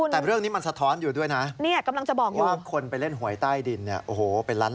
ทำไมรวยจังเลยคุณซื้อเป็นล้าน